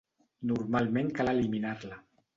Normalment cal eliminar-la.